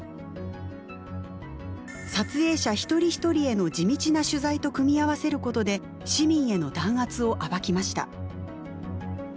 撮影者一人一人への地道な取材と組み合わせることで市民への弾圧を暴きました。